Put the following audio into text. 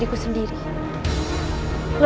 aku berjanji rai